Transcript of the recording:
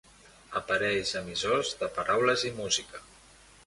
Aparells emissors de paraules i música.